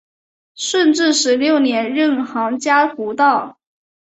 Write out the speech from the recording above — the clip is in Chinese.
顺治十六年任杭嘉湖道。